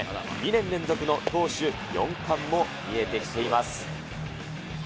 ２年連続の投手４冠も見えてきています。